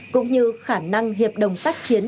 cũng như khả năng hiệp đồng tác chiến